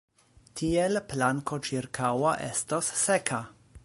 Tiel planko ĉirkaŭa estos seka!